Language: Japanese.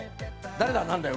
誰だ？